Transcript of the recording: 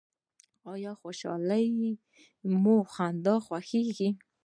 ایا خوشحالي مو خوښیږي؟